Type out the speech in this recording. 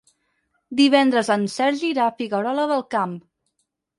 Divendres en Sergi irà a Figuerola del Camp.